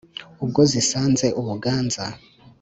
Ubwo zisanze u Buganza